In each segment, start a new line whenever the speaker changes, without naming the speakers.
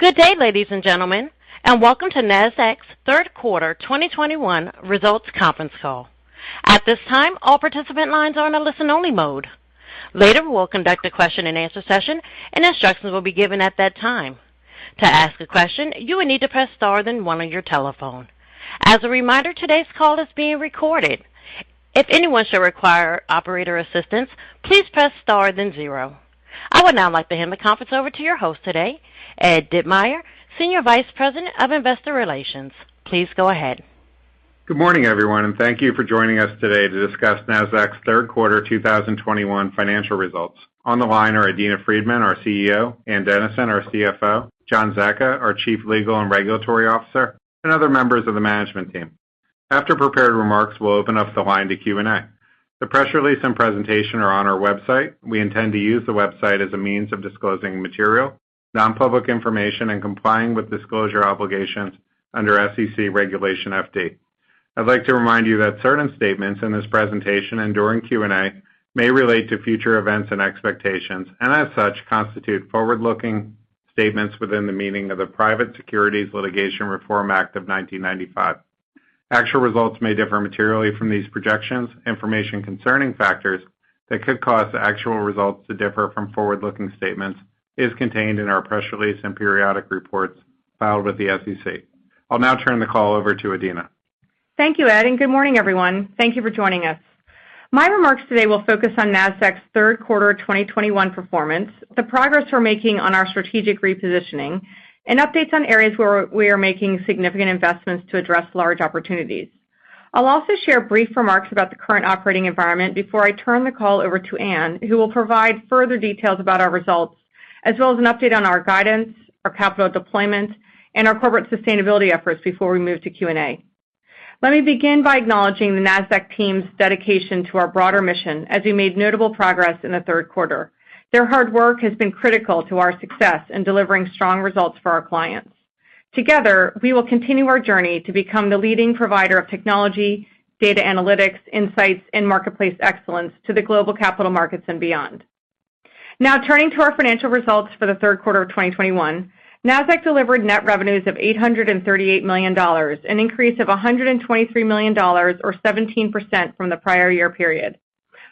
Good day ladies and gentlemen and welcome to Nasdaq third quarter 2021 results conference call. At this time all participants line are on listen-only mode. Later we will conduct a question-and-answer session and instructions will be given at that time. To ask a question you will need to press star and then one on your telephone. As a reminder today's call is being recorded. If anyone should require operator's assistance please press star zero. I would now like to hand the conference over to your host today, Ed Ditmire, Senior Vice President of Investor Relations. Please go ahead.
Good morning, everyone, and thank you for joining us today to discuss Nasdaq's third quarter 2021 financial results. On the line are Adena Friedman, our CEO, Ann Dennison, our CFO, John Zecca, our Chief Legal and Regulatory Officer, and other members of the management team. After prepared remarks, we'll open up the line to Q&A. The press release and presentation are on our website. We intend to use the website as a means of disclosing material, non-public information, and complying with disclosure obligations under SEC Regulation FD. I'd like to remind you that certain statements in this presentation and during Q&A may relate to future events and expectations, and as such, constitute forward-looking statements within the meaning of the Private Securities Litigation Reform Act of 1995. Actual results may differ materially from these projections. Information concerning factors that could cause actual results to differ from forward-looking statements is contained in our press release and periodic reports filed with the SEC. I'll now turn the call over to Adena.
Thank you, Ed, and good morning, everyone. Thank you for joining us. My remarks today will focus on Nasdaq's third quarter 2021 performance, the progress we're making on our strategic repositioning, and updates on areas where we are making significant investments to address large opportunities. I'll also share brief remarks about the current operating environment before I turn the call over to Ann, who will provide further details about our results, as well as an update on our guidance, our capital deployment, and our corporate sustainability efforts before we move to Q&A. Let me begin by acknowledging the Nasdaq team's dedication to our broader mission as we made notable progress in the third quarter. Their hard work has been critical to our success in delivering strong results for our clients. Together, we will continue our journey to become the leading provider of technology, data analytics, insights, and marketplace excellence to the global capital markets and beyond. Now, turning to our financial results for the third quarter of 2021. Nasdaq delivered net revenues of $838 million, an increase of $123 million or 17% from the prior year period.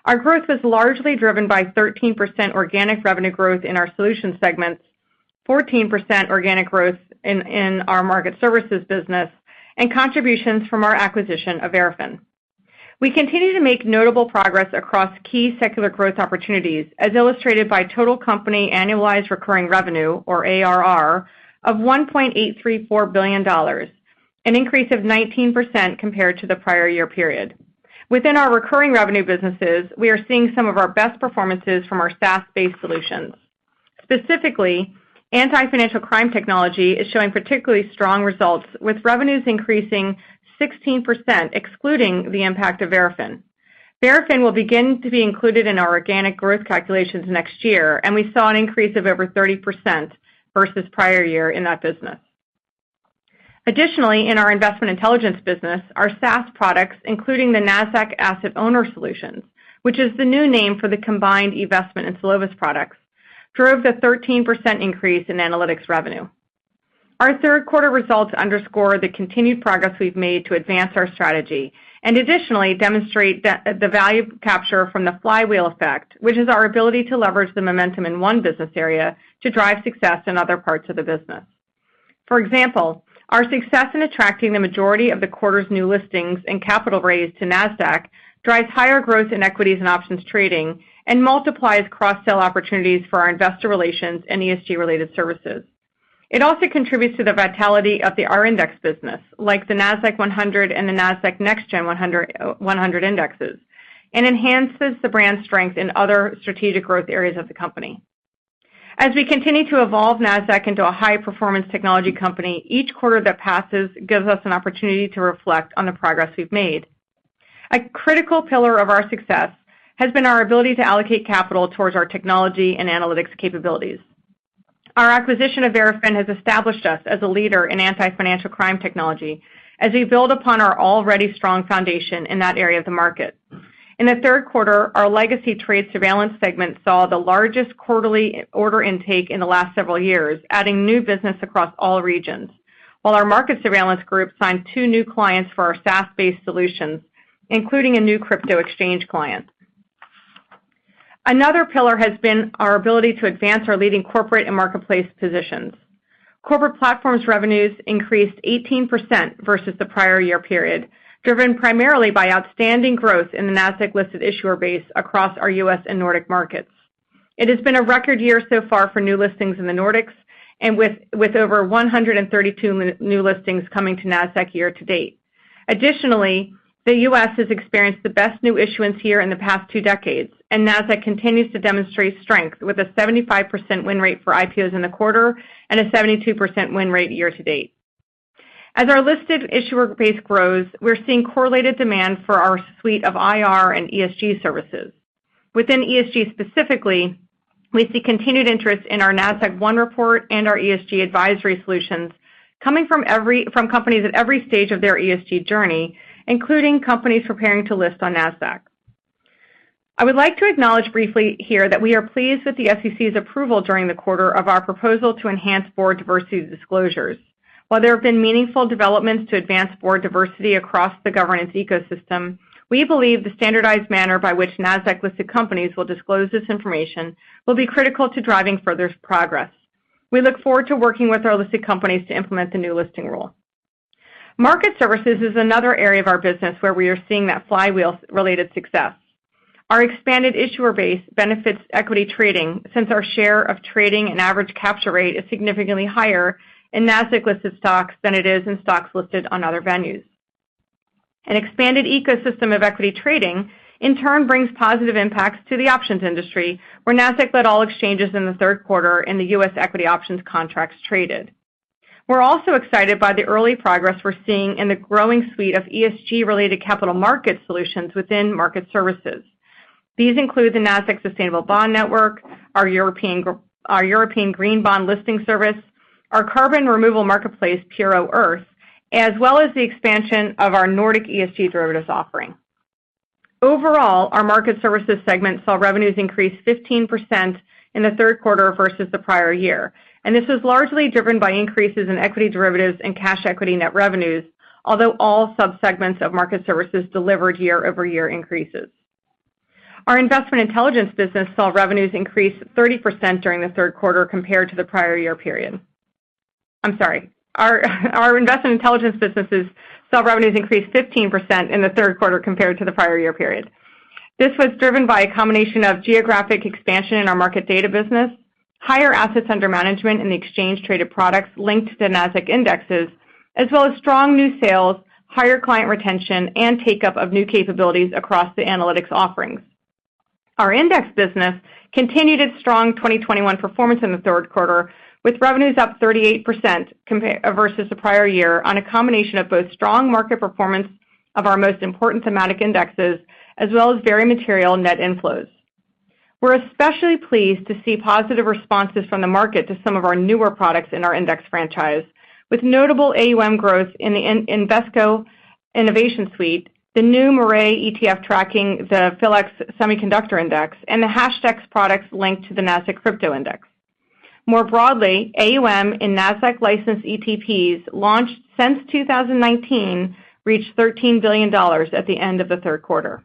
Our growth was largely driven by 13% organic revenue growth in our solutions segments, 14% organic growth in our market services business, and contributions from our acquisition of Verafin. We continue to make notable progress across key secular growth opportunities, as illustrated by total company annualized recurring revenue, or ARR, of $1.834 billion, an increase of 19% compared to the prior year period. Within our recurring revenue businesses, we are seeing some of our best performances from our SaaS-based solutions. Specifically, anti-financial crime technology is showing particularly strong results, with revenues increasing 16%, excluding the impact of Verafin. Verafin will begin to be included in our organic growth calculations next year, and we saw an increase of over 30% versus prior year in that business. In our investment intelligence business, our SaaS products, including the Nasdaq Asset Owner Solutions, which is the new name for the combined eVestment and Solovis products, drove the 13% increase in analytics revenue. Our third quarter results underscore the continued progress we've made to advance our strategy, and additionally demonstrate the value capture from the flywheel effect, which is our ability to leverage the momentum in one business area to drive success in other parts of the business. For example, our success in attracting the majority of the quarter's new listings and capital raise to Nasdaq drives higher growth in equities and options trading and multiplies cross-sell opportunities for our investor relations and ESG related services. It also contributes to the vitality of our index business, like the Nasdaq-100 and the Nasdaq Next Gen 100 indexes, and enhances the brand strength in other strategic growth areas of the company. As we continue to evolve Nasdaq into a high-performance technology company, each quarter that passes gives us an opportunity to reflect on the progress we've made. A critical pillar of our success has been our ability to allocate capital towards our technology and analytics capabilities. Our acquisition of Verafin has established us as a leader in anti-financial crime technology as we build upon our already strong foundation in that area of the market. In the third quarter, our legacy trade surveillance segment saw the largest quarterly order intake in the last several years, adding new business across all regions. Our market surveillance group signed two new clients for our SaaS-based solutions, including a new crypto exchange client. Another pillar has been our ability to advance our leading corporate and marketplace positions. Corporate Platforms revenues increased 18% versus the prior year period, driven primarily by outstanding growth in the Nasdaq-listed issuer base across our U.S. and Nordic markets. It has been a record year so far for new listings in the Nordics and with over 132 new listings coming to Nasdaq year-to-date. Additionally, the U.S. has experienced the best new issuance year in the past 2 decades, and Nasdaq continues to demonstrate strength with a 75% win rate for IPOs in the quarter and a 72% win rate year to date. As our listed issuer base grows, we're seeing correlated demand for our suite of IR and ESG services. Within ESG specifically, we see continued interest in our Nasdaq OneReport and our ESG advisory solutions coming from companies at every stage of their ESG journey, including companies preparing to list on Nasdaq. I would like to acknowledge briefly here that we are pleased with the SEC's approval during the quarter of our proposal to enhance board diversity disclosures. While there have been meaningful developments to advance board diversity across the governance ecosystem, we believe the standardized manner by which Nasdaq-listed companies will disclose this information will be critical to driving further progress. We look forward to working with our listed companies to implement the new listing rule. Market services is another area of our business where we are seeing that flywheel related success. Our expanded issuer base benefits equity trading since our share of trading and average capture rate is significantly higher in Nasdaq-listed stocks than it is in stocks listed on other venues. An expanded ecosystem of equity trading in turn brings positive impacts to the options industry, where Nasdaq led all exchanges in the third quarter in the U.S. equity options contracts traded. We're also excited by the early progress we're seeing in the growing suite of ESG-related capital market solutions within market services. These include the Nasdaq Sustainable Bond Network, our European Green Bond listing service, our carbon removal marketplace, Puro.earth, as well as the expansion of our Nordic ESG derivatives offering. Overall, our market services segment saw revenues increase 15% in the third quarter versus the prior year. This was largely driven by increases in equity derivatives and cash equity net revenues, although all sub-segments of market services delivered year-over-year increases. Our investment intelligence business saw revenues increase 30% during the third quarter compared to the prior year period. I'm sorry. Our investment intelligence businesses saw revenues increase 15% in the third quarter compared to the prior year period. This was driven by a combination of geographic expansion in our market data business, higher assets under management in the exchange traded products linked to Nasdaq indexes, as well as strong new sales, higher client retention, and take-up of new capabilities across the analytics offerings. Our index business continued its strong 2021 performance in the third quarter, with revenues up 38% versus the prior year on a combination of both strong market performance of our most important thematic indexes, as well as very material net inflows. We're especially pleased to see positive responses from the market to some of our newer products in our index franchise, with notable AUM growth in the Invesco Innovation Suite, the new Mirae ETF tracking the PHLX Semiconductor Index, and the Hashdex products linked to the Nasdaq Crypto Index. More broadly, AUM in Nasdaq-licensed ETPs launched since 2019 reached $13 billion at the end of the third quarter.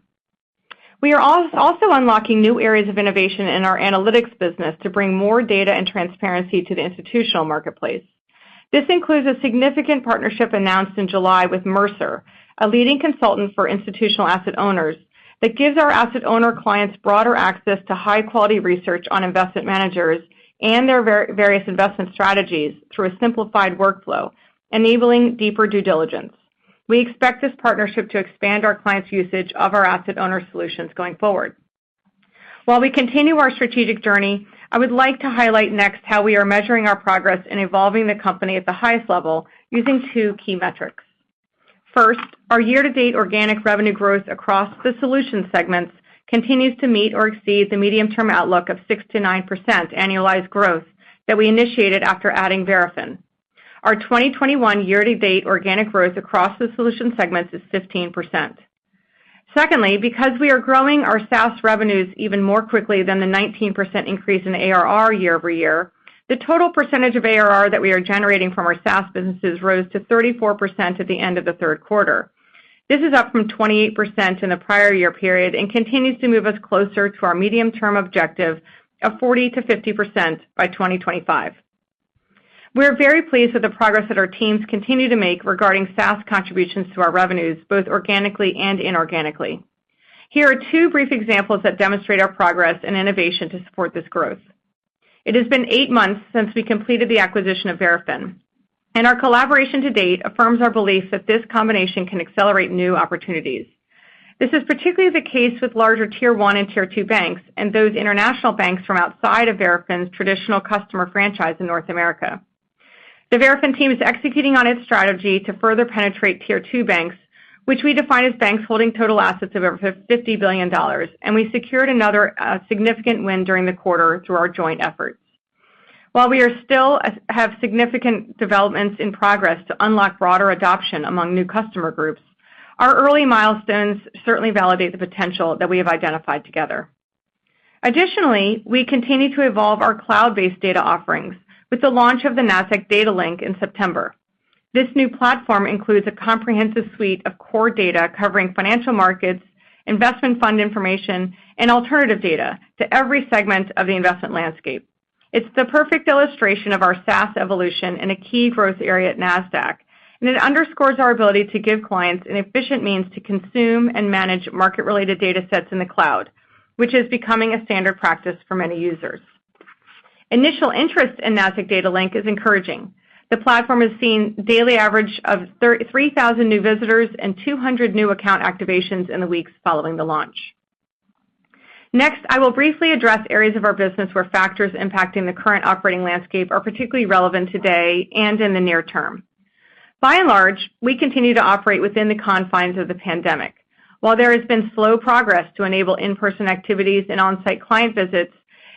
We are also unlocking new areas of innovation in our analytics business to bring more data and transparency to the institutional marketplace. This includes a significant partnership announced in July with Mercer, a leading consultant for institutional asset owners, that gives our asset owner clients broader access to high-quality research on investment managers and their various investment strategies through a simplified workflow, enabling deeper due diligence. We expect this partnership to expand our clients' usage of our Asset Owner Solutions going forward. While we continue our strategic journey, I would like to highlight next how we are measuring our progress in evolving the company at the highest level using two key metrics. First, our year-to-date organic revenue growth across the solution segments continues to meet or exceed the medium-term outlook of 6%-9% annualized growth that we initiated after adding Verafin. Our 2021 year-to-date organic growth across the solution segments is 15%. Secondly, because we are growing our SaaS revenues even more quickly than the 19% increase in ARR year-over-year, the total percentage of ARR that we are generating from our SaaS businesses rose to 34% at the end of the third quarter. This is up from 28% in the prior year period and continues to move us closer to our medium-term objective of 40%-50% by 2025. We are very pleased with the progress that our teams continue to make regarding SaaS contributions to our revenues, both organically and inorganically. Here are two brief examples that demonstrate our progress and innovation to support this growth. It has been eight months since we completed the acquisition of Verafin, and our collaboration to date affirms our belief that this combination can accelerate new opportunities. This is particularly the case with larger Tier 1 and Tier 2 banks and those international banks from outside of Verafin's traditional customer franchise in North America. The Verafin team is executing on its strategy to further penetrate Tier 2 banks, which we define as banks holding total assets of over $50 billion, and we secured another significant win during the quarter through our joint efforts. While we still have significant developments in progress to unlock broader adoption among new customer groups, our early milestones certainly validate the potential that we have identified together. Additionally, we continue to evolve our cloud-based data offerings with the launch of the Nasdaq Data Link in September. This new platform includes a comprehensive suite of core data covering financial markets, investment fund information, and alternative data to every segment of the investment landscape. It's the perfect illustration of our SaaS evolution in a key growth area at Nasdaq, and it underscores our ability to give clients an efficient means to consume and manage market-related data sets in the cloud, which is becoming a standard practice for many users. Initial interest in Nasdaq Data Link is encouraging. The platform has seen daily average of 3,000 new visitors and 200 new account activations in the weeks following the launch. Next, I will briefly address areas of our business where factors impacting the current operating landscape are particularly relevant today and in the near term. By and large, we continue to operate within the confines of the pandemic. While there has been slow progress to enable in-person activities and on-site client visits,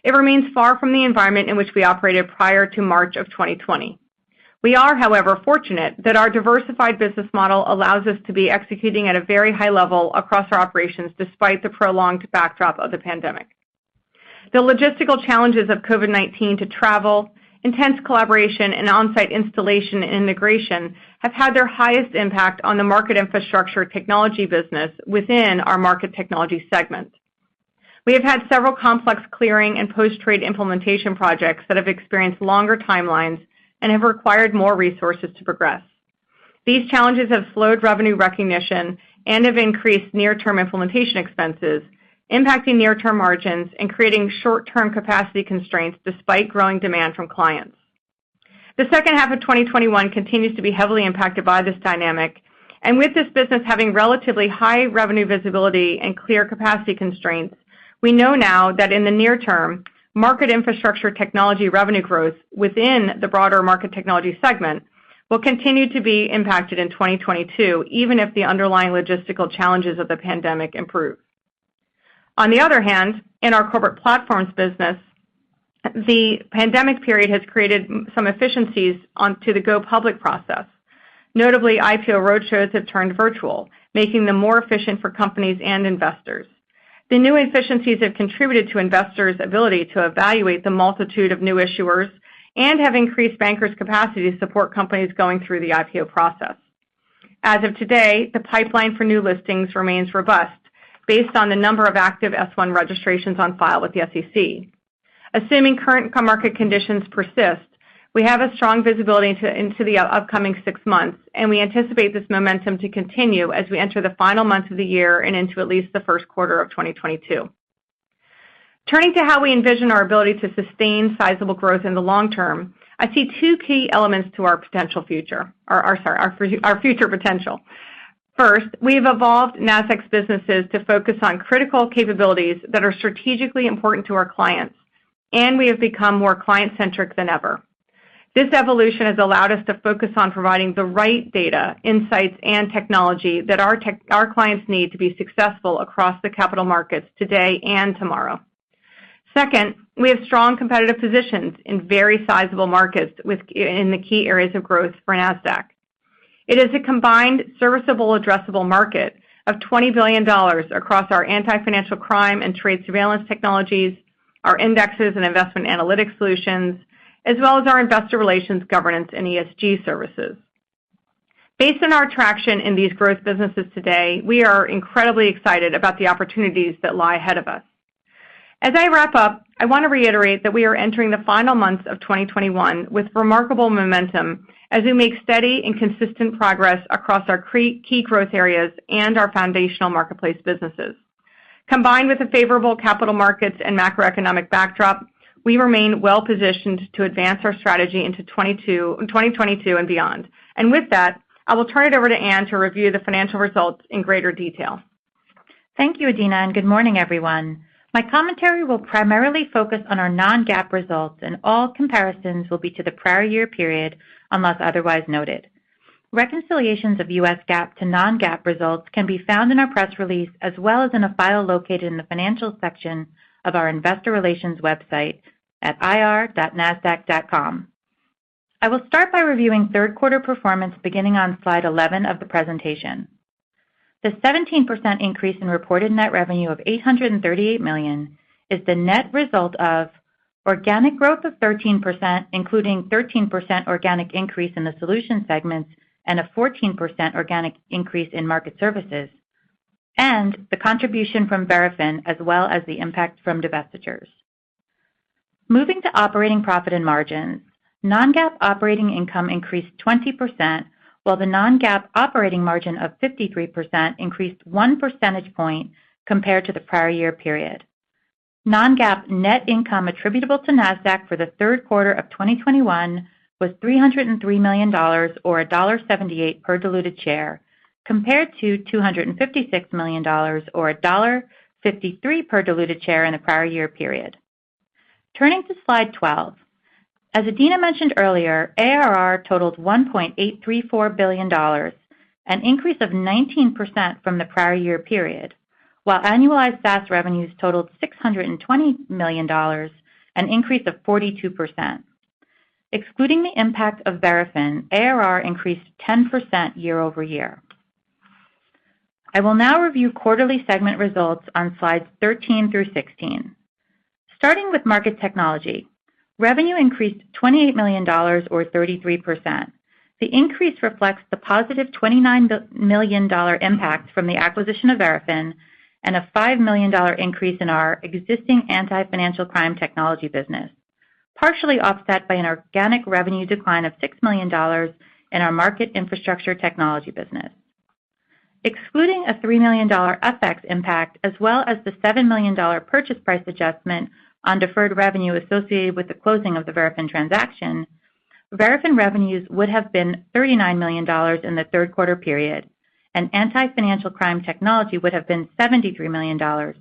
it remains far from the environment in which we operated prior to March of 2020. We are, however, fortunate that our diversified business model allows us to be executing at a very high level across our operations, despite the prolonged backdrop of the pandemic. The logistical challenges of COVID-19 to travel, intense collaboration, and on-site installation and integration have had their highest impact on the market infrastructure technology business within our market technology segment. We have had several complex clearing and post-trade implementation projects that have experienced longer timelines and have required more resources to progress. These challenges have slowed revenue recognition and have increased near-term implementation expenses, impacting near-term margins and creating short-term capacity constraints despite growing demand from clients. The second half of 2021 continues to be heavily impacted by this dynamic, with this business having relatively high revenue visibility and clear capacity constraints, we know now that in the near term, Market Infrastructure Technology revenue growth within the broader Market Technology Segment will continue to be impacted in 2022, even if the underlying logistical challenges of the pandemic improve. In our Corporate Platforms Business, the pandemic period has created some efficiencies onto the go public process. Notably, IPO roadshows have turned virtual, making them more efficient for companies and investors. The new efficiencies have contributed to investors' ability to evaluate the multitude of new issuers and have increased bankers' capacity to support companies going through the IPO process. As of today, the pipeline for new listings remains robust based on the number of active S1 registrations on file with the SEC. Assuming current market conditions persist, we have strong visibility into the upcoming six months, and we anticipate this momentum to continue as we enter the final months of the year and into at least the first quarter of 2022. Turning to how we envision our ability to sustain sizable growth in the long term, I see two key elements to our future potential. First, we have evolved Nasdaq's businesses to focus on critical capabilities that are strategically important to our clients, and we have become more client-centric than ever. This evolution has allowed us to focus on providing the right data, insights, and technology that our clients need to be successful across the capital markets today and tomorrow. Second, we have strong competitive positions in very sizable markets in the key areas of growth for Nasdaq. It is a combined serviceable addressable market of $20 billion across our anti-financial crime and trade surveillance technologies, our indexes and investment analytic solutions, as well as our investor relations governance and ESG services. Based on our traction in these growth businesses today, we are incredibly excited about the opportunities that lie ahead of us. As I wrap up, I want to reiterate that we are entering the final months of 2021 with remarkable momentum as we make steady and consistent progress across our key growth areas and our foundational marketplace businesses. Combined with the favorable capital markets and macroeconomic backdrop, we remain well-positioned to advance our strategy into 2022 and beyond. With that, I will turn it over to Ann to review the financial results in greater detail.
Thank you, Adena, and good morning, everyone. My commentary will primarily focus on our non-GAAP results, and all comparisons will be to the prior year period unless otherwise noted. Reconciliations of US GAAP to non-GAAP results can be found in our press release, as well as in a file located in the Financial section of our investor relations website at ir.nasdaq.com. I will start by reviewing third quarter performance beginning on Slide 11 of the presentation. The 17% increase in reported net revenue of $838 million is the net result of organic growth of 13%, including 13% organic increase in the solution segments and a 14% organic increase in market services, and the contribution from Verafin, as well as the impact from divestitures. Moving to operating profit and margins, non-GAAP operating income increased 20%, while the non-GAAP operating margin of 53% increased 1 percentage point compared to the prior year period. Non-GAAP net income attributable to Nasdaq for the third quarter of 2021 was $303 million, or $1.78 per diluted share, compared to $256 million, or $1.53 per diluted share in the prior year period. Turning to Slide 12. As Adena mentioned earlier, ARR totaled $1.834 billion, an increase of 19% from the prior year period, while annualized SaaS revenues totaled $620 million, an increase of 42%. Excluding the impact of Verafin, ARR increased 10% year-over-year. I will now review quarterly segment results on Slides 13 through 16. Starting with market technology, revenue increased $28 million, or 33%. The increase reflects the positive $29 million impact from the acquisition of Verafin and a $5 million increase in our existing anti-financial crime technology business, partially offset by an organic revenue decline of $6 million in our market infrastructure technology business. Excluding a $3 million FX impact, as well as the $7 million purchase price adjustment on deferred revenue associated with the closing of the Verafin transaction, Verafin revenues would have been $39 million in the third quarter period, and anti-financial crime technology would have been $73 million,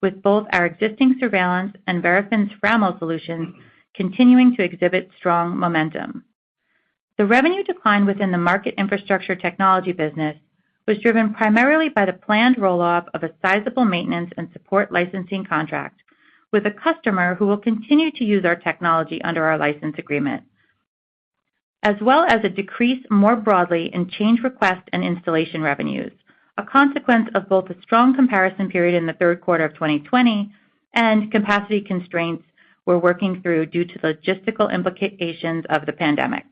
with both our existing surveillance and Verafin's FRAML solutions continuing to exhibit strong momentum. The revenue decline within the Market Infrastructure Technology business was driven primarily by the planned roll-off of a sizable maintenance and support licensing contract with a customer who will continue to use our technology under our license agreement, as well as a decrease more broadly in change request and installation revenues, a consequence of both a strong comparison period in the third quarter of 2020 and capacity constraints we're working through due to logistical implications of the pandemic.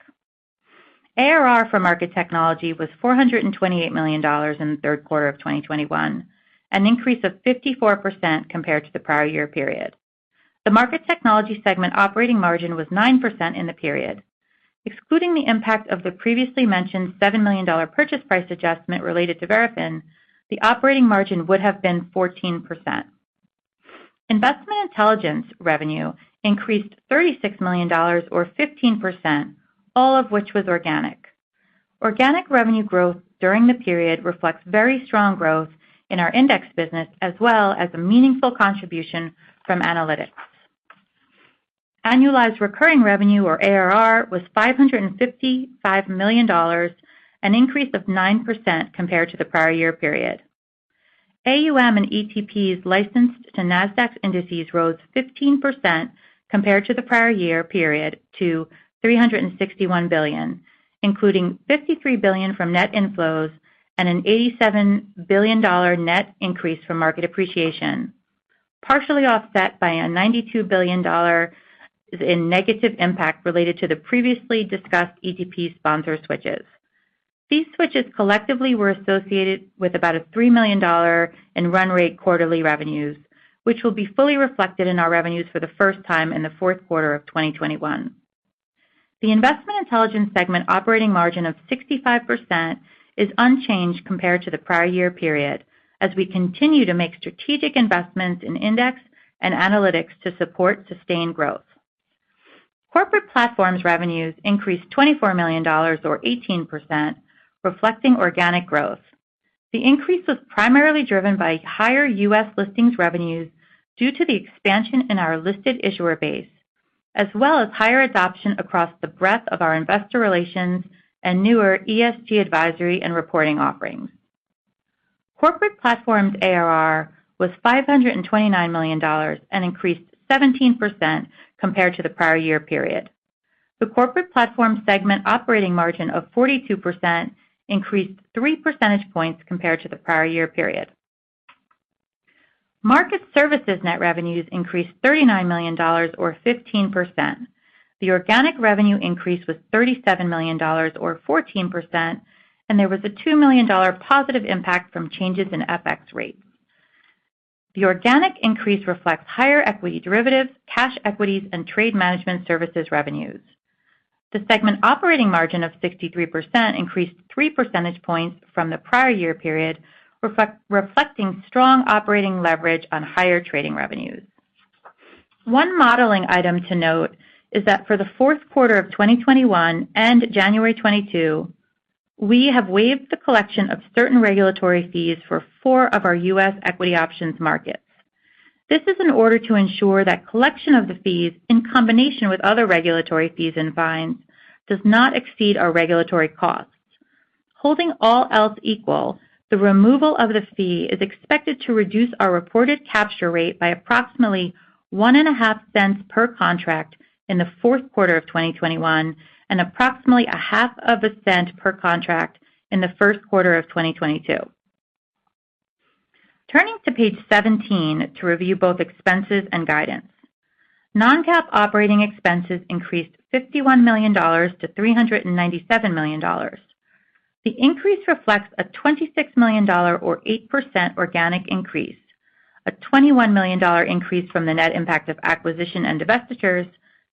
ARR for Market Technology was $428 million in the third quarter of 2021, an increase of 54% compared to the prior year period. The Market Technology segment operating margin was 9% in the period. Excluding the impact of the previously mentioned $7 million purchase price adjustment related to Verafin, the operating margin would have been 14%. Investment Intelligence revenue increased $36 million, or 15%, all of which was organic. Organic revenue growth during the period reflects very strong growth in our index business, as well as a meaningful contribution from analytics. Annualized recurring revenue, or ARR, was $555 million, an increase of 9% compared to the prior year period. AUM and ETPs licensed to Nasdaq's indices rose 15% compared to the prior year period to $361 billion, including $53 billion from net inflows and an $87 billion net increase from market appreciation, partially offset by a $92 billion in negative impact related to the previously discussed ETP sponsor switches. These switches collectively were associated with about a $3 million in run rate quarterly revenues, which will be fully reflected in our revenues for the first time in the fourth quarter of 2021. The Investment Intelligence segment operating margin of 65% is unchanged compared to the prior year period, as we continue to make strategic investments in index and analytics to support sustained growth. Corporate Platforms revenues increased $24 million, or 18%, reflecting organic growth. The increase was primarily driven by higher U.S. listings revenues due to the expansion in our listed issuer base, as well as higher adoption across the breadth of our investor relations and newer ESG advisory and reporting offerings. Corporate Platforms' ARR was $529 million, an increase 17% compared to the prior-year period. The Corporate Platforms segment operating margin of 42% increased 3 percentage points compared to the prior-year period. Market Services net revenues increased $39 million, or 15%. The organic revenue increase was $37 million, or 14%, and there was a $2 million positive impact from changes in FX rates. The organic increase reflects higher equity derivatives, cash equities, and trade management services revenues. The segment operating margin of 63% increased 3 percentage points from the prior-year period, reflecting strong operating leverage on higher trading revenues. One modeling item to note is that for the fourth quarter of 2021 and January 2022, we have waived the collection of certain regulatory fees for four of our U.S. equity options markets. This is in order to ensure that collection of the fees, in combination with other regulatory fees and fines, does not exceed our regulatory costs. Holding all else equal, the removal of the fee is expected to reduce our reported capture rate by approximately $0.015 per contract in the fourth quarter of 2021 and approximately $0.005 per contract in the first quarter of 2022. Turning to Page 17 to review both expenses and guidance. Non-GAAP operating expenses increased $51 million to $397 million. The increase reflects a $26 million or 8% organic increase, a $21 million increase from the net impact of acquisition and divestitures,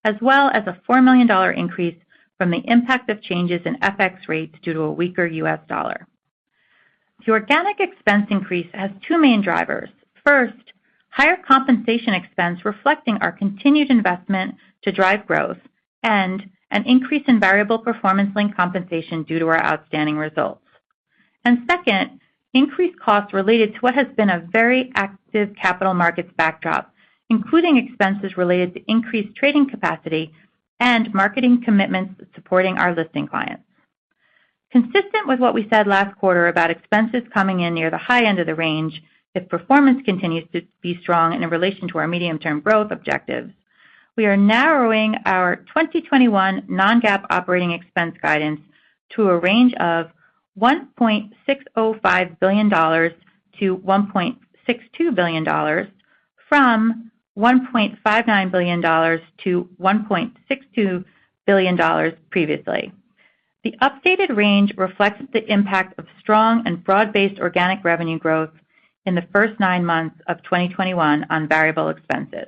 as well as a $4 million increase from the impact of changes in FX rates due to a weaker U.S. dollar. The organic expense increase has two main drivers. First, higher compensation expense reflecting our continued investment to drive growth and an increase in variable performance-linked compensation due to our outstanding results. Second, increased costs related to what has been a very active capital markets backdrop, including expenses related to increased trading capacity and marketing commitments supporting our listing clients. Consistent with what we said last quarter about expenses coming in near the high end of the range, if performance continues to be strong and in relation to our medium-term growth objectives, we are narrowing our 2021 non-GAAP operating expense guidance to a range of $1.605 billion-$1.620 billion from $1.590 billion-$1.620 billion previously. The updated range reflects the impact of strong and broad-based organic revenue growth in the first nine months of 2021 on variable expenses.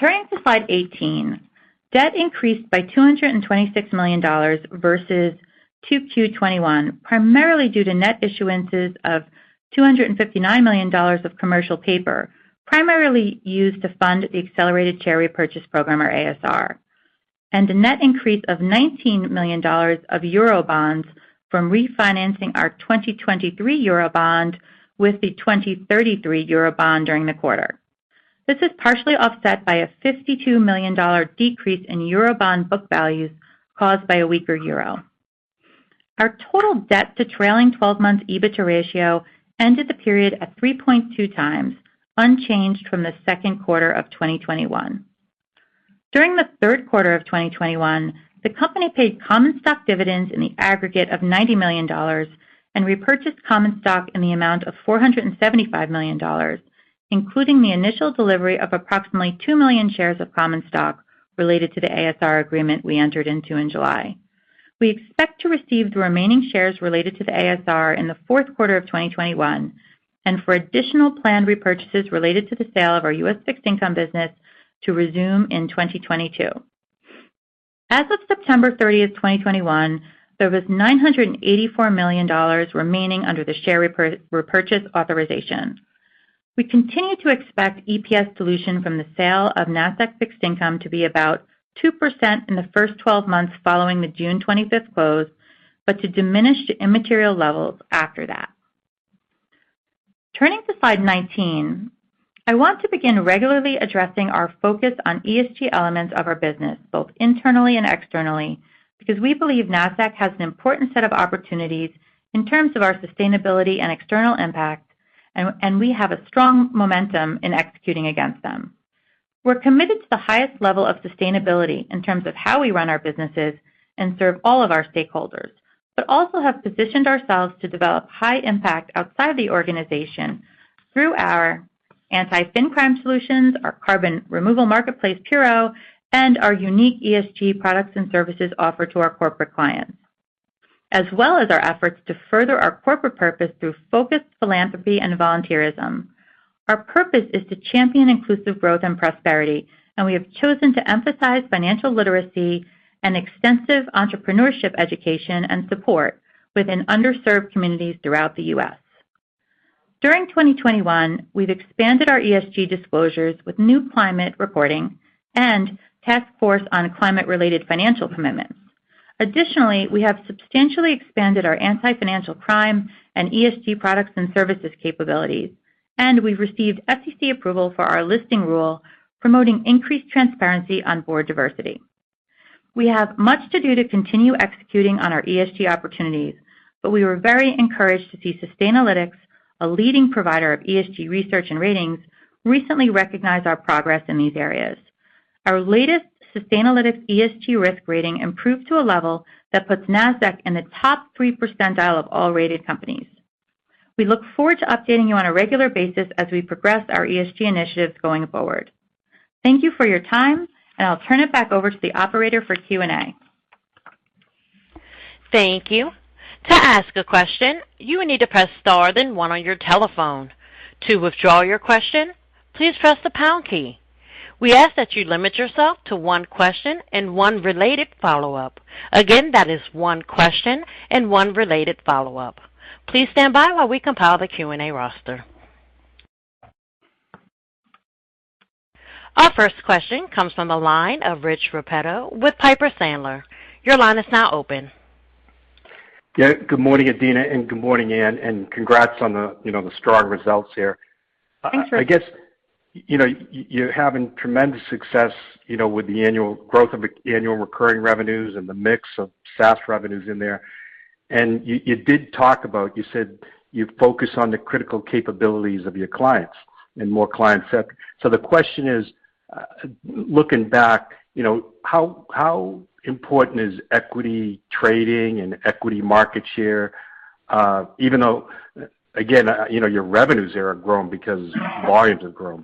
Turning to Slide 18, debt increased by $226 million versus 2Q 2021, primarily due to net issuances of $259 million of commercial paper, primarily used to fund the accelerated share repurchase program, or ASR, and a net increase of $19 million of eurobonds from refinancing our 2023 eurobond with the 2033 eurobond during the quarter. This is partially offset by a $52 million decrease in euro bond book values caused by a weaker euro. Our total debt to trailing 12-month EBITDA ratio ended the period at 3.2 times, unchanged from the second quarter of 2021. During the third quarter of 2021, the company paid common stock dividends in the aggregate of $90 million and repurchased common stock in the amount of $475 million, including the initial delivery of approximately 2 million shares of common stock related to the ASR agreement we entered into in July. We expect to receive the remaining shares related to the ASR in the fourth quarter of 2021 and for additional planned repurchases related to the sale of our U.S. fixed income business to resume in 2022. As of September 30th, 2021, there was $984 million remaining under the share repurchase authorization. We continue to expect EPS dilution from the sale of Nasdaq fixed income to be about 2% in the first 12 months following the June 25th close, but to diminish to immaterial levels after that. Turning to Slide 19, I want to begin regularly addressing our focus on ESG elements of our business, both internally and externally, because we believe Nasdaq has an important set of opportunities in terms of our sustainability and external impact, and we have a strong momentum in executing against them. We're committed to the highest level of sustainability in terms of how we run our businesses and serve all of our stakeholders. Also have positioned ourselves to develop high impact outside the organization through our anti-financial crime solutions, our carbon removal marketplace, Puro.earth, and our unique ESG products and services offered to our corporate clients, as well as our efforts to further our corporate purpose through focused philanthropy and volunteerism. Our purpose is to champion inclusive growth and prosperity. We have chosen to emphasize financial literacy and extensive entrepreneurship education and support within underserved communities throughout the U.S. During 2021, we've expanded our ESG disclosures with new climate reporting and Task Force on Climate-related Financial Disclosures. Additionally, we have substantially expanded our anti-financial crime and ESG products and services capabilities. We've received SEC approval for our listing rule promoting increased transparency on board diversity. We have much to do to continue executing on our ESG opportunities, but we were very encouraged to see Sustainalytics, a leading provider of ESG research and ratings, recently recognize our progress in these areas. Our latest Sustainalytics ESG risk rating improved to a level that puts Nasdaq in the top three percentile of all rated companies. We look forward to updating you on a regular basis as we progress our ESG initiatives going forward. Thank you for your time, and I'll turn it back over to the operator for Q&A.
Thank you. To ask a question, you will need to press star then one on your telephone. To withdraw your question, please press the pound key. We ask that you limit yourself to one question and one related follow-up. Again, that is one question and one related follow-up. Please stand by while we compile the Q&A roster. Our first question comes from the line of Rich Repetto with Piper Sandler. Your line is now open.
Yeah, good morning, Adena, and good morning, Ann, and congrats on the strong results here.
Thanks, Rich.
I guess, you're having tremendous success with the annual growth of annual recurring revenues and the mix of SaaS revenues in there. You did talk about, you said you focus on the critical capabilities of your clients and more clients set. The question is, looking back, how important is equity trading and equity market share? Even though, again, your revenues there have grown because volumes have grown.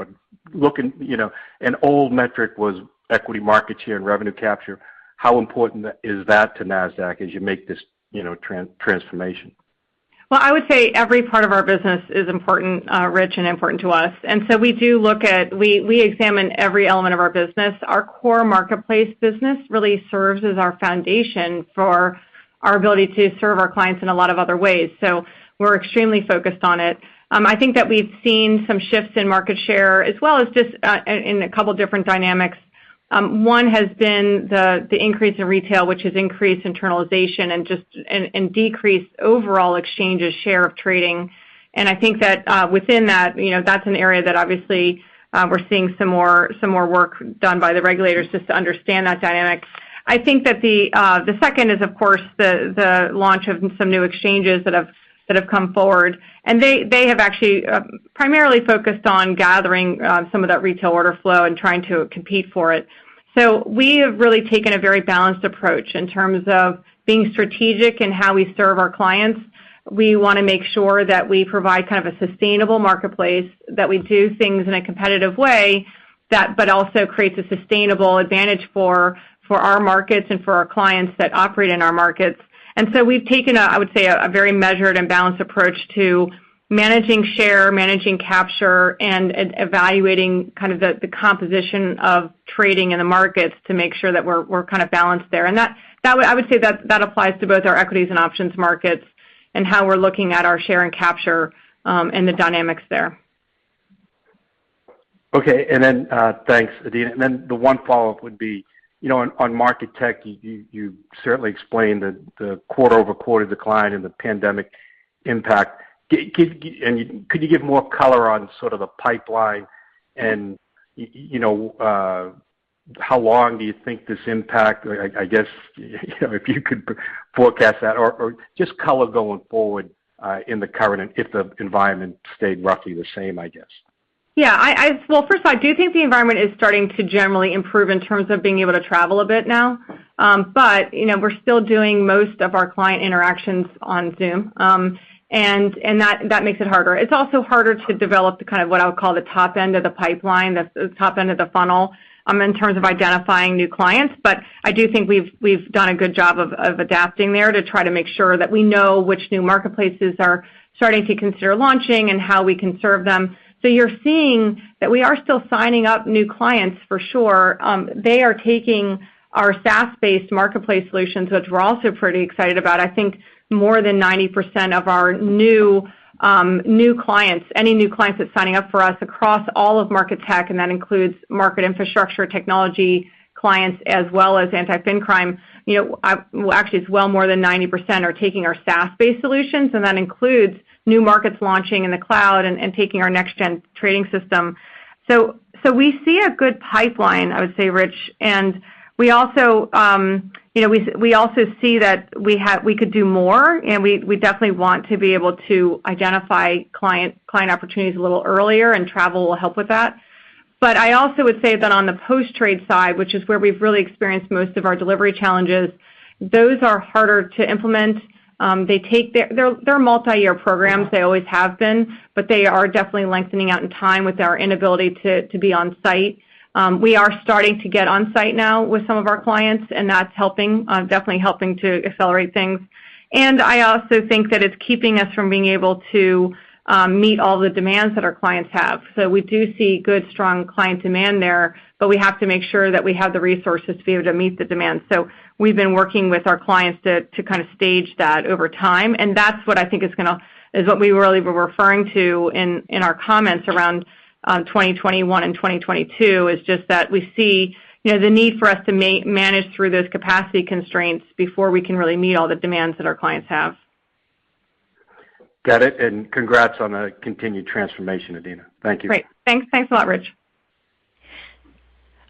An old metric was equity market share and revenue capture. How important is that to Nasdaq as you make this transformation?
Well, I would say every part of our business is important, Rich, and important to us. We examine every element of our business. Our core marketplace business really serves as our foundation for our ability to serve our clients in a lot of other ways. We're extremely focused on it. I think that we've seen some shifts in market share as well as just in a couple different dynamics. One has been the increase in retail, which has increased internalization and decreased overall exchanges share of trading. I think that within that's an area that obviously we're seeing some more work done by the regulators just to understand that dynamic. I think that the second is, of course, the launch of some new exchanges that have come forward, They have actually primarily focused on gathering some of that retail order flow and trying to compete for it. We have really taken a very balanced approach in terms of being strategic in how we serve our clients. We want to make sure that we provide kind of a sustainable marketplace, that we do things in a competitive way, Also creates a sustainable advantage for our markets and for our clients that operate in our markets. We've taken, I would say, a very measured and balanced approach to managing share, managing capture, and evaluating kind of the composition of trading in the markets to make sure that we're kind of balanced there. I would say that applies to both our equities and options markets and how we're looking at our share and capture, and the dynamics there.
Okay. Thanks, Adena. The one follow-up would be, on market tech, you certainly explained the quarter-over-quarter decline in the pandemic impact. Could you give more color on sort of the pipeline and how long do you think this impact, I guess if you could forecast that, or just color going forward in the current, and if the environment stayed roughly the same, I guess?
First of all, I do think the environment is starting to generally improve in terms of being able to travel a bit now. We're still doing most of our client interactions on Zoom, and that makes it harder. It's also harder to develop kind of what I would call the top end of the pipeline, the top end of the funnel, in terms of identifying new clients. I do think we've done a good job of adapting there to try to make sure that we know which new marketplaces are starting to consider launching and how we can serve them. You're seeing that we are still signing up new clients for sure. They are taking our SaaS-based marketplace solutions, which we're also pretty excited about. I think more than 90% of our new clients, any new clients that's signing up for us across all of market tech, and that includes market infrastructure technology clients, as well as anti-fin crime. Actually, it's well more than 90% are taking our SaaS-based solutions, and that includes new markets launching in the cloud and taking our next-gen trading system. We see a good pipeline, I would say, Rich, and we also see that we could do more, and we definitely want to be able to identify client opportunities a little earlier, and travel will help with that. I also would say that on the post-trade side, which is where we've really experienced most of our delivery challenges, those are harder to implement. They're multi-year programs, they always have been. They are definitely lengthening out in time with our inability to be on-site. We are starting to get on-site now with some of our clients, and that's definitely helping to accelerate things. I also think that it's keeping us from being able to meet all the demands that our clients have. We do see good, strong client demand there, but we have to make sure that we have the resources to be able to meet the demand. We've been working with our clients to kind of stage that over time, and that's what I think is what we really were referring to in our comments around 2021 and 2022, is just that we see the need for us to manage through those capacity constraints before we can really meet all the demands that our clients have.
Got it, congrats on the continued transformation, Adena. Thank you.
Great. Thanks a lot, Rich.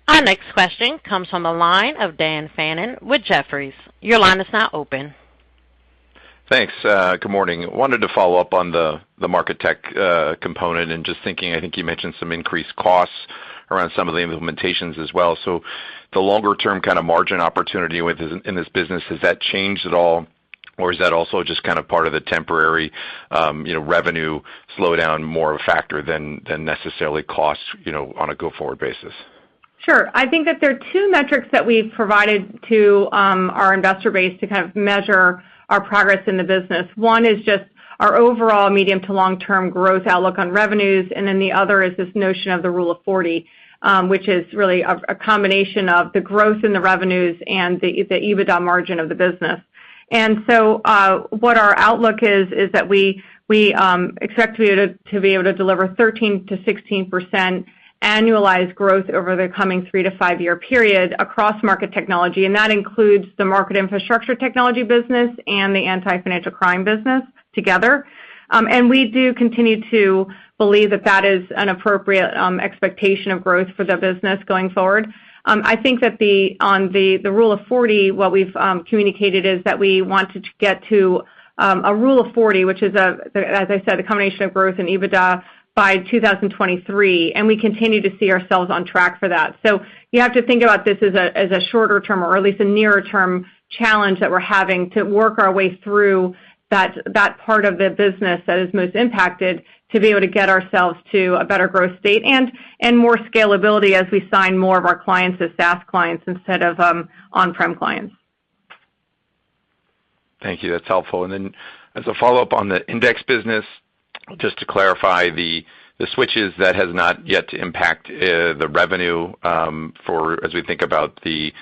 Our next question comes from the line of Dan Fannon with Jefferies. Your line is now open.
Thanks. Good morning. Wanted to follow up on the MarketTech component and just thinking, I think you mentioned some increased costs around some of the implementations as well. The longer-term kind of margin opportunity in this business, has that changed at all? Or is that also just kind of part of the temporary revenue slowdown more a factor than necessarily costs on a go-forward basis?
Sure. I think that there are two metrics that we've provided to our investor base to kind of measure our progress in the business. One is just our overall medium to long-term growth outlook on revenues, then the other is this notion of the rule of 40, which is really a combination of the growth in the revenues and the EBITDA margin of the business. So, what our outlook is that we expect to be able to deliver 13%-16% annualized growth over the coming three to five-year period across market technology, and that includes the market infrastructure technology business and the anti-financial crime business together. We do continue to believe that that is an appropriate expectation of growth for the business going forward. I think that on the rule of 40, what we've communicated is that we want to get to a rule of 40, which is, as I said, a combination of growth in EBITDA by 2023, and we continue to see ourselves on track for that. You have to think about this as a shorter-term or at least a nearer-term challenge that we're having to work our way through that part of the business that is most impacted to be able to get ourselves to a better growth state and more scalability as we sign more of our clients as SaaS clients instead of on-prem clients.
Thank you. That's helpful. As a follow-up on the index business, just to clarify the switches that has not yet impacted the revenue as we think about the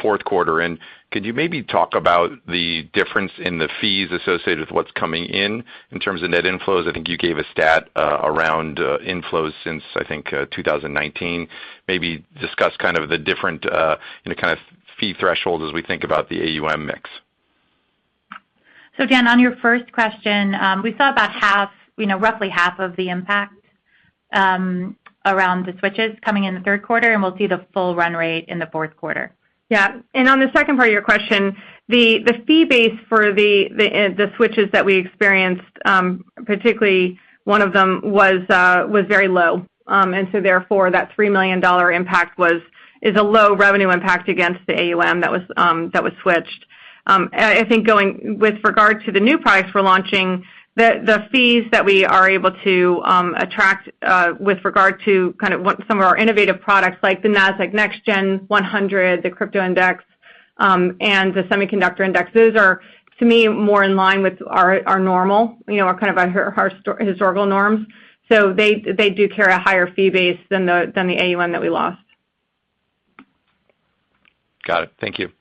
fourth quarter. Could you maybe talk about the difference in the fees associated with what's coming in terms of net inflows? I think you gave a stat around inflows since, I think, 2019. Maybe discuss kind of the different fee thresholds as we think about the AUM mix.
Dan, on your first question, we saw about roughly half of the impact around the switches coming in the third quarter, and we'll see the full run rate in the fourth quarter.
Yeah. On the second part of your question, the fee base for the switches that we experienced, particularly one of them was very low. Therefore, that $3 million impact is a low revenue impact against the AUM that was switched. I think with regard to the new products we're launching, the fees that we are able to attract with regard to some of our innovative products like the Nasdaq Next Gen 100, the Crypto Index, and the semiconductor indexes are, to me, more in line with our normal, kind of our historical norms. They do carry a higher fee base than the AUM that we lost.
Got it. Thank you.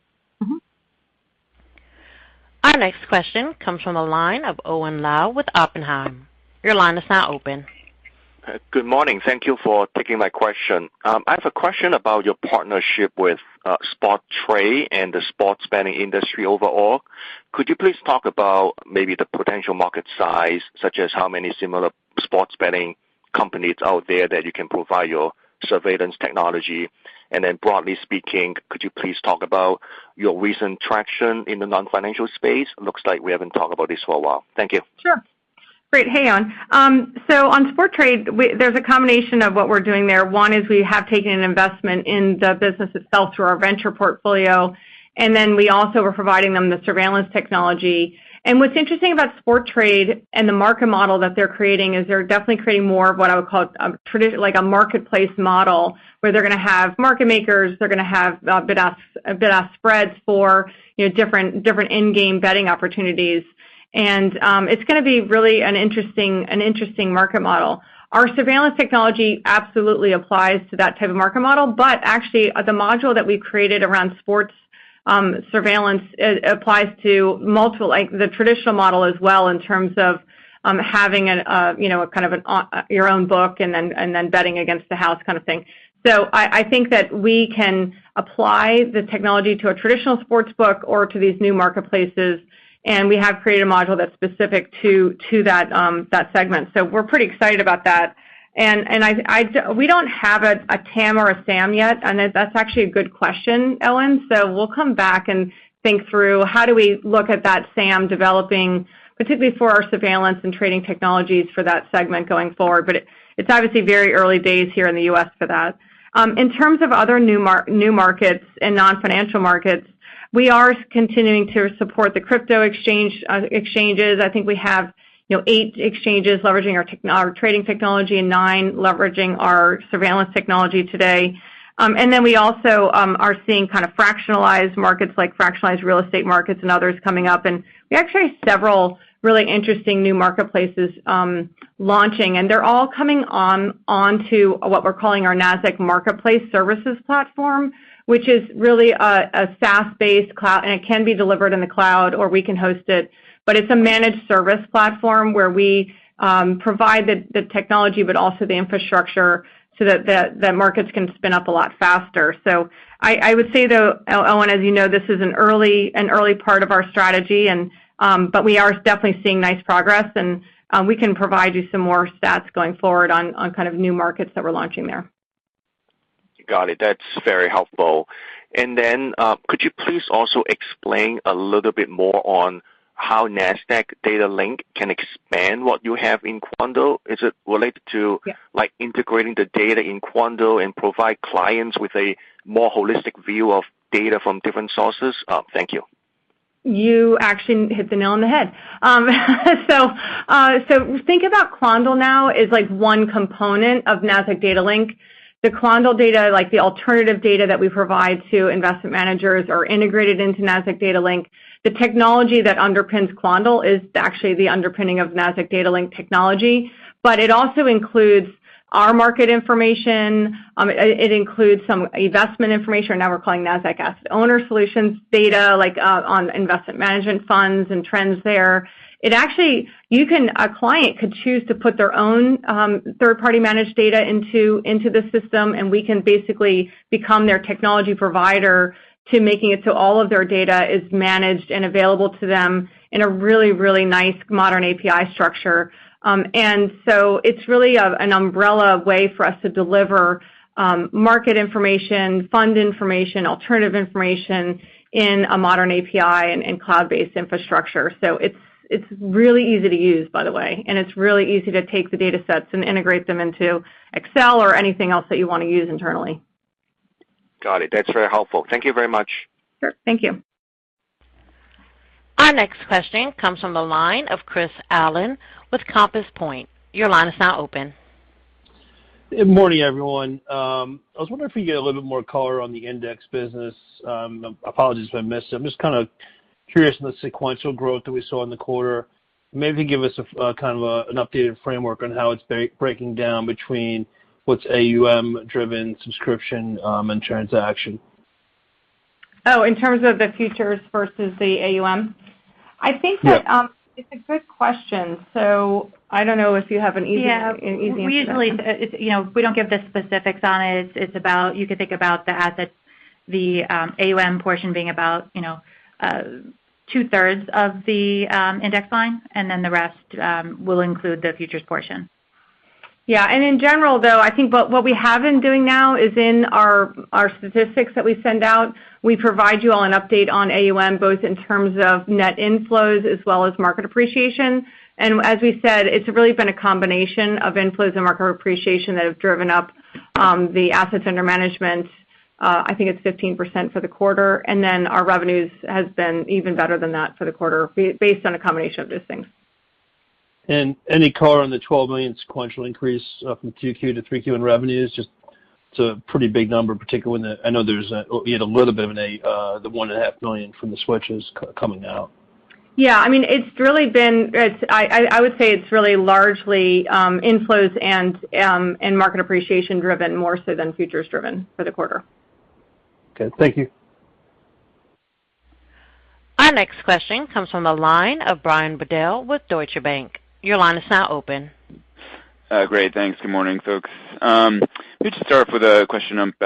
Our next question comes from the line of Owen Lau with Oppenheimer.
Good morning. Thank you for taking my question. I have a question about your partnership with Sporttrade and the sports betting industry overall. Could you please talk about maybe the potential market size, such as how many similar sports betting companies out there that you can provide your surveillance technology? Broadly speaking, could you please talk about your recent traction in the non-financial space? Looks like we haven't talked about this for a while. Thank you.
Sure. Great. Hey, Owen. On Sporttrade, there's a combination of what we're doing there. One is we have taken an investment in the business itself through our venture portfolio, and then we also were providing them the surveillance technology. What's interesting about Sporttrade and the market model that they're creating is they're definitely creating more of what I would call a marketplace model, where they're going to have market makers, they're going to have bid-ask spreads for different end game betting opportunities. It's going to be really an interesting market model. Our surveillance technology absolutely applies to that type of market model, but actually, the module that we created around sports surveillance applies to the traditional model as well, in terms of having your own book and then betting against the house kind of thing. I think that we can apply the technology to a traditional sports book or to these new marketplaces, and we have created a module that's specific to that segment. We're pretty excited about that. We don't have a TAM or a SAM yet. That's actually a good question, Owen. We'll come back and think through how do we look at that SAM developing, particularly for our surveillance and trading technologies for that segment going forward. It's obviously very early days here in the U.S. for that. In terms of other new markets and non-financial markets, we are continuing to support the crypto exchanges. I think we have eight exchanges leveraging our trading technology and nine leveraging our surveillance technology today. We also are seeing fractionalized markets, like fractionalized real estate markets and others coming up. We actually have several really interesting new marketplaces launching, and they're all coming onto what we're calling our Nasdaq Marketplace Services Platform. Which is really a SaaS-based cloud, and it can be delivered in the cloud or we can host it, but it's a managed service platform where we provide the technology but also the infrastructure so that markets can spin up a lot faster. I would say, though, Owen, as you know, this is an early part of our strategy but we are definitely seeing nice progress and we can provide you some more stats going forward on new markets that we're launching there.
Got it. That's very helpful. Then, could you please also explain a little bit more on how Nasdaq Data Link can expand what you have in Quandl? Is it related to-
Yeah
integrating the data in Quandl and provide clients with a more holistic view of data from different sources? Thank you.
You actually hit the nail on the head. Think about Quandl now as one component of Nasdaq Data Link. The Quandl data, the alternative data that we provide to investment managers, are integrated into Nasdaq Data Link. The technology that underpins Quandl is actually the underpinning of Nasdaq Data Link technology. It also includes our market information, it includes some investment information, now we're calling Nasdaq Asset Owner Solutions data, like on investment management funds and trends there. A client could choose to put their own third-party managed data into the system, we can basically become their technology provider to making it so all of their data is managed and available to them in a really, really nice modern API structure. It's really an umbrella way for us to deliver market information, fund information, alternative information in a modern API and cloud-based infrastructure. It's really easy to use, by the way, and it's really easy to take the data sets and integrate them into Excel or anything else that you want to use internally.
Got it. That's very helpful. Thank you very much.
Sure. Thank you.
Our next question comes from the line of Chris Allen with Compass Point. Your line is now open.
Good morning, everyone. I was wondering if we could get a little bit more color on the index business. Apologies if I missed it. I'm just kind of curious on the sequential growth that we saw in the quarter. Maybe give us kind of an updated framework on how it's breaking down between what's AUM-driven subscription, and transaction.
Oh, in terms of the futures versus the AUM?
Yeah.
I think that it's a good question. I don't know if you have an.
Yeah, we usually don't give the specifics on it. You could think about the assets, the AUM portion being about two-thirds of the index line, and then the rest will include the futures portion.
Yeah. In general, though, I think what we have been doing now is in our statistics that we send out, we provide you all an update on AUM, both in terms of net inflows as well as market appreciation. As we said, it's really been a combination of inflows and market appreciation that have driven up the assets under management. I think it's 15% for the quarter. Then our revenues has been even better than that for the quarter based on a combination of those things.
Any color on the $12 million sequential increase from Q2 to Q3 in revenues? It's a pretty big number, particularly when I know there's a little bit of the $1.5 million from the switches coming out.
Yeah. I would say it's really largely inflows and market appreciation-driven more so than futures-driven for the quarter.
Okay. Thank you.
Our next question comes from the line of Brian Bedell with Deutsche Bank. Your line is now open.
Great. Thanks. Good morning, folks. Let me just start with a question, it's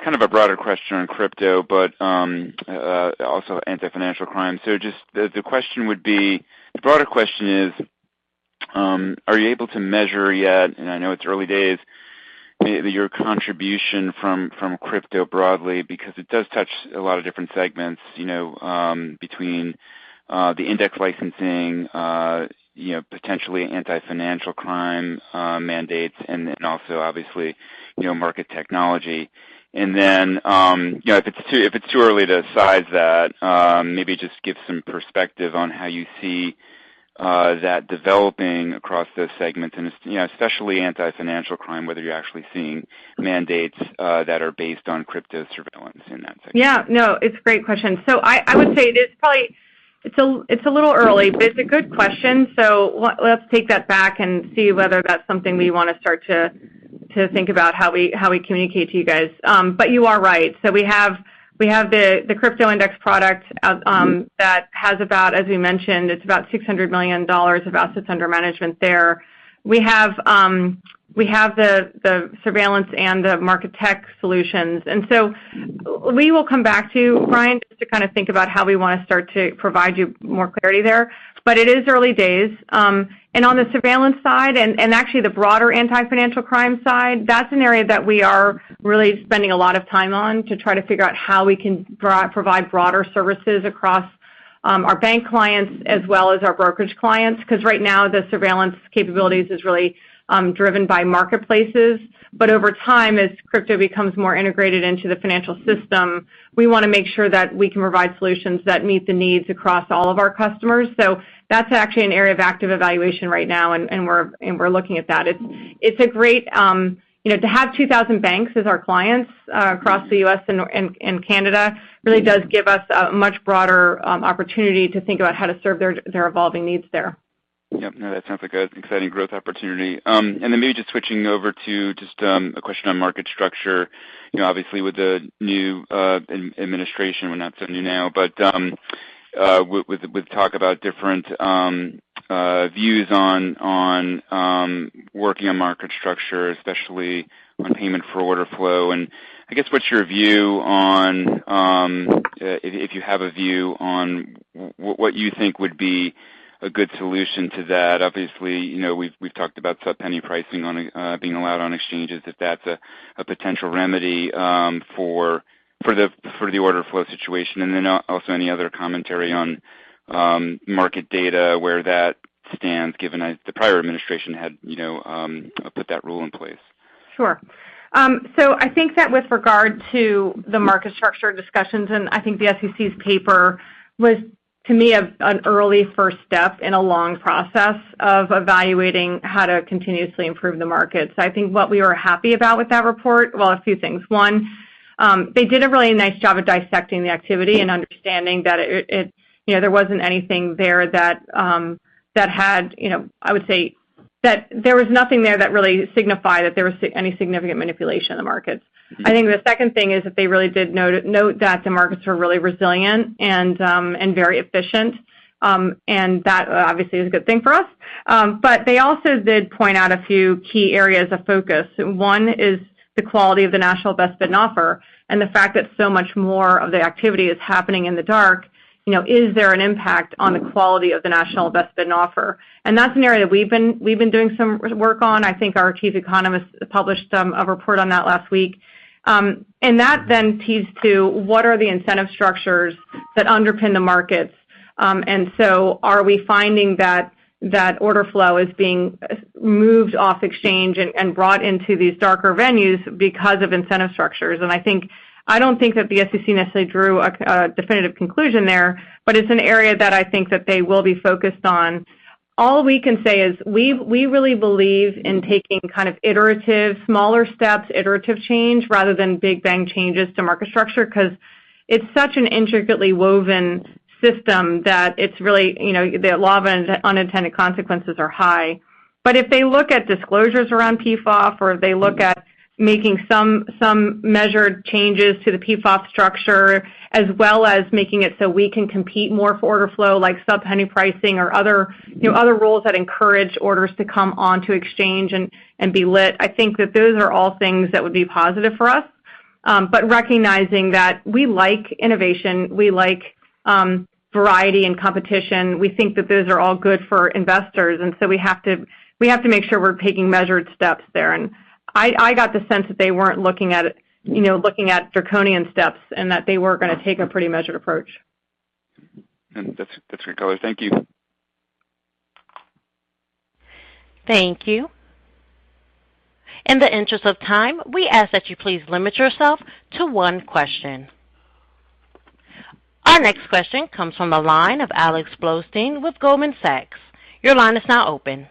kind of a broader question on crypto, but also anti-financial crime. Just the broader question is, are you able to measure yet, and I know it's early days, your contribution from crypto broadly, because it does touch a lot of different segments, between the index licensing, potentially anti-financial crime mandates, and then also obviously, market technology. If it's too early to size that, maybe just give some perspective on how you see that developing across those segments and, especially anti-financial crime, whether you're actually seeing mandates that are based on crypto surveillance in that segment?
Yeah. No, it's a great question. I would say it's a little early, but it's a good question. Let's take that back and see whether that's something we want to start to think about how we communicate to you guys. You are right. We have the Nasdaq Crypto Index product that has about, as we mentioned, it's about $600 million of assets under management there. We have the surveillance and the market tech solutions. We will come back to you, Brian, just to kind of think about how we want to start to provide you more clarity there. It is early days. On the surveillance side, and actually the broader anti-financial crime side, that's an area that we are really spending a lot of time on to try to figure out how we can provide broader services across our bank clients as well as our brokerage clients. Right now, the surveillance capabilities is really driven by marketplaces. Over time, as crypto becomes more integrated into the financial system, we want to make sure that we can provide solutions that meet the needs across all of our customers. That's actually an area of active evaluation right now, and we're looking at that. To have 2,000 banks as our clients across the U.S. and Canada really does give us a much broader opportunity to think about how to serve their evolving needs there.
Yep. No, that sounds like an exciting growth opportunity. Maybe just switching over to just a question on market structure. Obviously with the new administration, well, not so new now, but with talk about different views on working on market structure, especially on payment for order flow, I guess what's your view on, if you have a view on what you think would be a good solution to that. Obviously, we've talked about sub-penny pricing being allowed on exchanges, if that's a potential remedy for the order flow situation. Also any other commentary on market data, where that stands given the prior administration had put that rule in place.
Sure. I think that with regard to the market structure discussions, and I think the SEC's paper was, to me, an early first step in a long process of evaluating how to continuously improve the market. I think what we were happy about with that report, well, a few things. One, they did a really nice job of dissecting the activity and understanding that there wasn't anything there that really signified that there was any significant manipulation in the markets. I think the second thing is that they really did note that the markets were really resilient and very efficient. That obviously is a good thing for us. They also did point out a few key areas of focus. One is the quality of the national best bid and offer, the fact that so much more of the activity is happening in the dark, is there an impact on the quality of the national best bid and offer? That's an area that we've been doing some work on. I think our chief economist published a report on that last week. That then tees to, what are the incentive structures that underpin the markets? Are we finding that order flow is being moved off exchange and brought into these darker venues because of incentive structures? I don't think that the SEC necessarily drew a definitive conclusion there, but it's an area that I think that they will be focused on. All we can say is we really believe in taking kind of iterative, smaller steps, iterative change, rather than big bang changes to market structure, because it's such an intricately woven system that the law of unintended consequences are high. If they look at disclosures around PFOF or if they look at making some measured changes to the PFOF structure, as well as making it so we can compete more for order flow, like sub-penny pricing or other rules that encourage orders to come onto exchange and be lit, I think that those are all things that would be positive for us. Recognizing that we like innovation, we like variety and competition. We think that those are all good for investors, and so we have to make sure we're taking measured steps there. I got the sense that they weren't looking at draconian steps and that they were going to take a pretty measured approach.
That's good color. Thank you.
Thank you. In the interest of time, we ask that you please limit yourself to one question. Our next question comes from the line of Alex Blostein with Goldman Sachs. Your line is now open.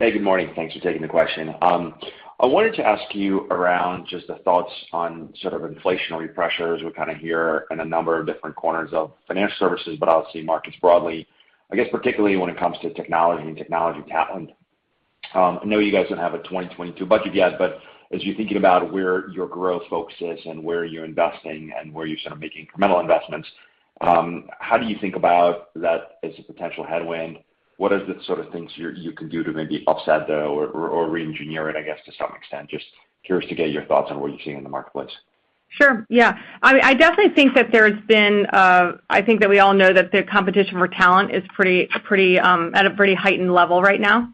Hey, good morning. Thanks for taking the question. I wanted to ask you around just the thoughts on sort of inflationary pressures we kind of hear in a number of different corners of financial services, but obviously markets broadly, I guess particularly when it comes to technology and technology talent. I know you guys don't have a 2022 budget yet, but as you're thinking about where your growth focus is and where you're investing and where you're making incremental investments, how do you think about that as a potential headwind? What are the sort of things you can do to maybe offset that or re-engineer it, I guess, to some extent? Just curious to get your thoughts on what you're seeing in the marketplace.
Sure. Yeah. I definitely think that we all know that the competition for talent is at a pretty heightened level right now.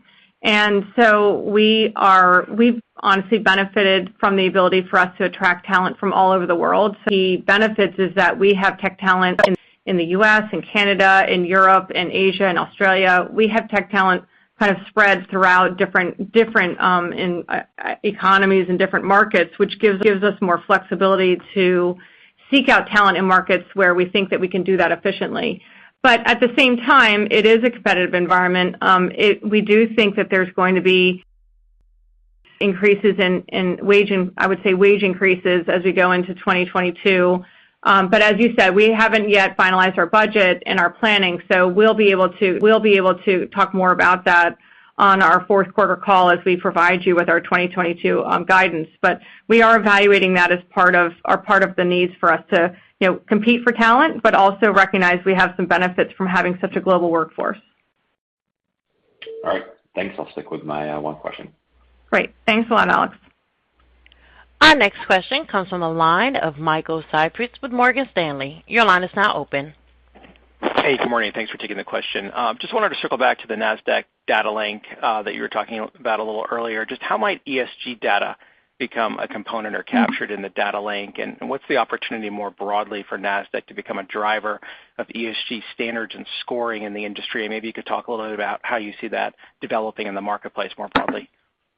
We've honestly benefited from the ability for us to attract talent from all over the world. The benefits is that we have tech talent in the U.S., in Canada, in Europe, in Asia and Australia. We have tech talent kind of spread throughout different economies and different markets, which gives us more flexibility to seek out talent in markets where we think that we can do that efficiently. At the same time, it is a competitive environment. We do think that there's going to be, I would say, wage increases as we go into 2022. As you said, we haven't yet finalized our budget and our planning, we'll be able to talk more about that on our fourth quarter call as we provide you with our 2022 guidance. We are evaluating that as part of the needs for us to compete for talent, but also recognize we have some benefits from having such a global workforce.
All right. Thanks. I'll stick with my one question.
Great. Thanks a lot, Alex.
Our next question comes from the line of Michael Cyprys with Morgan Stanley.
Hey, good morning. Thanks for taking the question. Just wanted to circle back to the Nasdaq Data Link that you were talking about a little earlier. Just how might ESG data become a component or captured in the Data Link? What's the opportunity more broadly for Nasdaq to become a driver of ESG standards and scoring in the industry? Maybe you could talk a little bit about how you see that developing in the marketplace more broadly.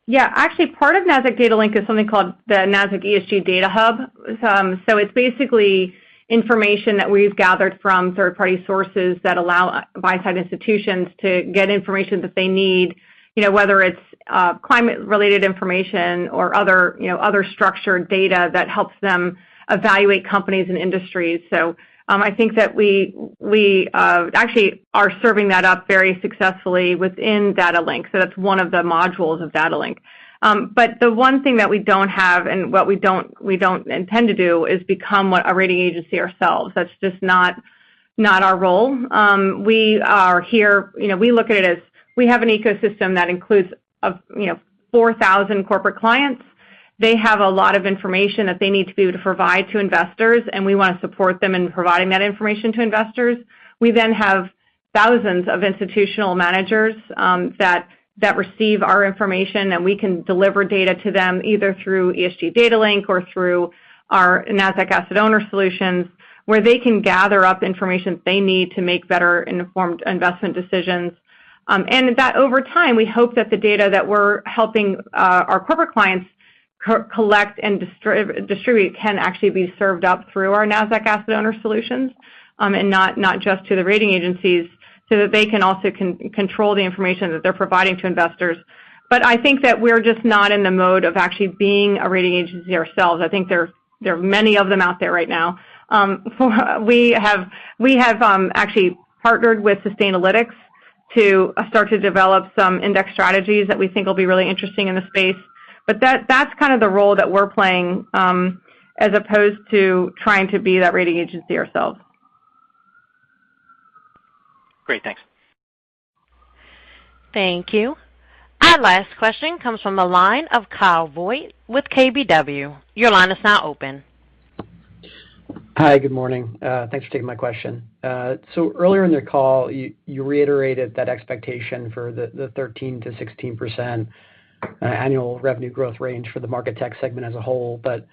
Yeah. Actually, part of Nasdaq Data Link is something called the Nasdaq ESG Data Hub. It's basically information that we've gathered from third-party sources that allow buy-side institutions to get information that they need, whether it's climate-related information or other structured data that helps them evaluate companies and industries. I think that we actually are serving that up very successfully within Data Link. That's one of the modules of Data Link. The one thing that we don't have, and what we don't intend to do, is become a rating agency ourselves. That's just not our role. We look at it as we have an ecosystem that includes 4,000 corporate clients. They have a lot of information that they need to be able to provide to investors, and we want to support them in providing that information to investors. We then have thousands of institutional managers that receive our information, and we can deliver data to them either through Nasdaq Data Link or through our Nasdaq Asset Owner Solutions, where they can gather up information they need to make better-informed investment decisions. That over time, we hope that the data that we're helping our corporate clients collect and distribute can actually be served up through our Nasdaq Asset Owner Solutions, and not just to the rating agencies, so that they can also control the information that they're providing to investors. I think that we're just not in the mode of actually being a rating agency ourselves. I think there are many of them out there right now. We have actually partnered with Sustainalytics to start to develop some index strategies that we think will be really interesting in the space. That's kind of the role that we're playing, as opposed to trying to be that rating agency ourselves.
Great. Thanks.
Thank you. Our last question comes from the line of Kyle Voigt with KBW.
Hi, good morning. Thanks for taking my question. Earlier in the call, you reiterated that expectation for the 13%-16% annual revenue growth range for the Market Tech segment as a whole, but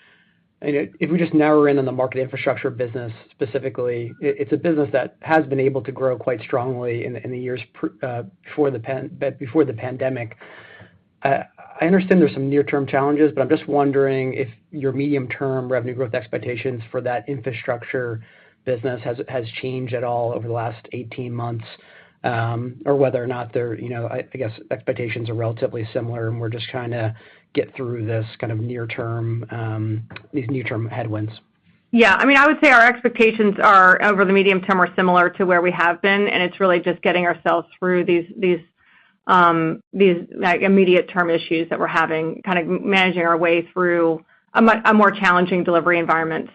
if we just narrow in on the market infrastructure business specifically, it's a business that has been able to grow quite strongly in the years before the pandemic. I understand there's some near-term challenges, but I'm just wondering if your medium-term revenue growth expectations for that infrastructure business has changed at all over the last 18 months, or whether or not, I guess, expectations are relatively similar and we're just trying to get through these near-term headwinds.
Yeah. I would say our expectations over the medium term are similar to where we have been, and it's really just getting ourselves through these immediate-term issues that we're having, kind of managing our way through a more challenging delivery environment.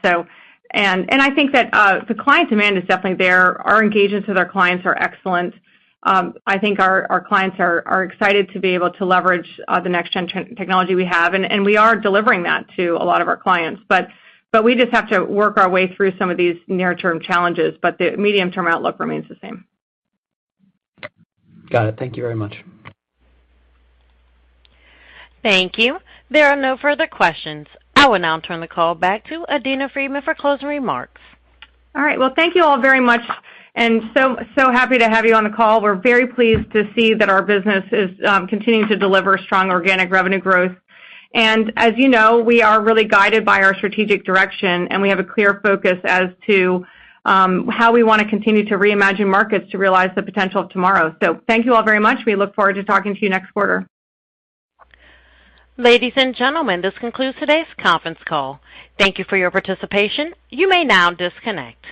I think that the client demand is definitely there. Our engagements with our clients are excellent. I think our clients are excited to be able to leverage the next-gen technology we have, and we are delivering that to a lot of our clients. We just have to work our way through some of these near-term challenges, but the medium-term outlook remains the same.
Got it. Thank you very much.
Thank you. There are no further questions. I will now turn the call back to Adena Friedman for closing remarks.
All right. Well, thank you all very much, and so happy to have you on the call. We're very pleased to see that our business is continuing to deliver strong organic revenue growth. As you know, we are really guided by our strategic direction, and we have a clear focus as to how we want to continue to reimagine markets to realize the potential of tomorrow. Thank you all very much. We look forward to talking to you next quarter.
Ladies and gentlemen, this concludes today's conference call. Thank you for your participation. You may now disconnect.